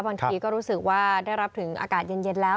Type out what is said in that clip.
บางทีก็รู้สึกว่าได้รับถึงอากาศเย็นแล้ว